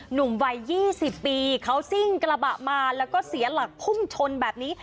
หนุ่มวัย๒๐ปีเขาซิ่งกระบะมาแล้วก็เสียหลักพุ่งชนแบบนี้